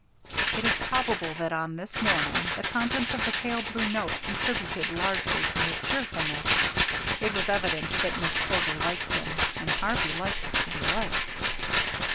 It is probable that on this morning, the contents of the pale blue note contributed largely to his cheerfulness. It was evident that Miss Porter liked him, and Harvey liked to be liked.